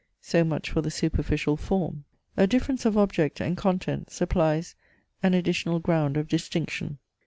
So much for the superficial form. A difference of object and contents supplies an additional ground of distinction.